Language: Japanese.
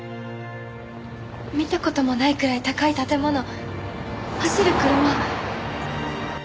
見た事もないくらい高い建物走る車。